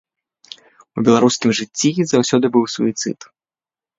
У беларускім жыцці заўсёды быў суіцыд.